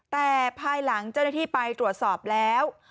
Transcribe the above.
แต่ภายหลังเจ้าหน้าที่ไปตรวจสอบแล้ว